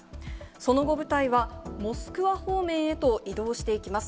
その後、部隊はモスクワ方面へと移動していきます。